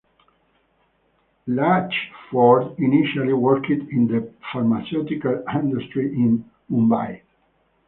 Latchford initially worked in the pharmaceutical industry in Mumbai.